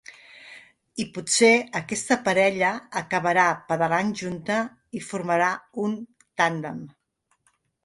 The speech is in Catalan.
I potser aquesta parella acabarà pedalant junta i formarà un tàndem.